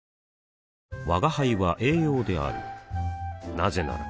なぜなら